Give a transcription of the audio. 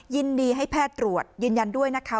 ยินดีให้แพทย์ตรวจยืนยันด้วยนะคะ